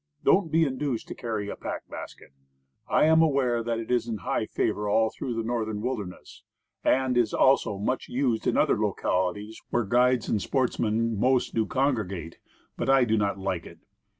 Don't be induced to carry a pack basket. I am aware that it is in high favor all through the Northern Wilderness, and is also much used in many other localities where guides and sportsmen most do congregate. But I do not like it.